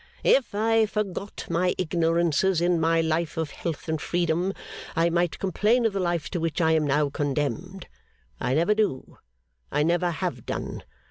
'If I forgot my ignorances in my life of health and freedom, I might complain of the life to which I am now condemned. I never do; I never have done.